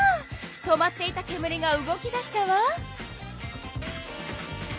止まっていたけむりが動き出したわ！